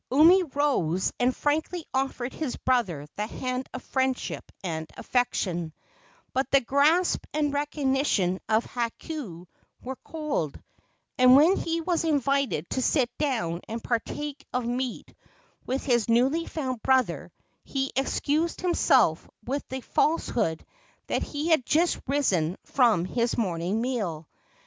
Umi rose and frankly offered his brother the hand of friendship and affection; but the grasp and recognition of Hakau were cold, and when he was invited to sit down and partake of meat with his newly found brother he excused himself with the falsehood that he had just risen from his morning meal.